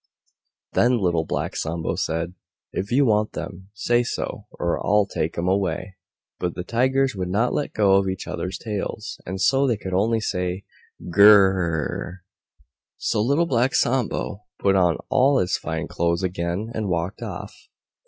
Then Little Black Sambo said, "If you want them, say so, or I'll take them away." But the Tigers would not let go of each other's tails, and so they could only say "Gr r r rrrrrr!" So Little Black Sambo put on all his fine clothes again and walked off.